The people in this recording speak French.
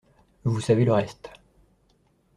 Vous savez le reste.